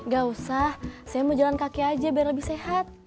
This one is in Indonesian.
gak usah saya mau jalan kaki aja biar lebih sehat